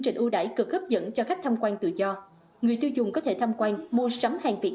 trình ưu đãi cực hấp dẫn cho khách tham quan tự do người tiêu dùng có thể tham quan mua sắm hàng việt